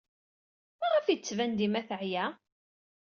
Maɣef ay d-tettban dima teɛya?